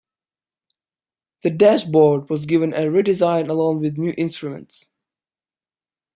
The dashboard was given a redesign along with new instruments.